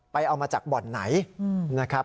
เอามาจากบ่อนไหนนะครับ